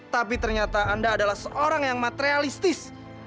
tapi ternyata anda adalah seorang yang materialistis